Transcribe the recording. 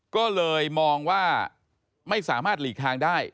ก็เลยมองว่าไม่สามารถหลีกทางได้